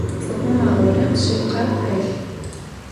Ts'ıfme a'orem şsıpkhe xhelh.